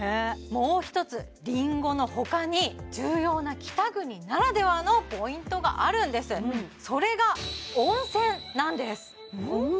もう一つリンゴのほかに重要な北国ならではのポイントがあるんですそれが温泉なんですうん！？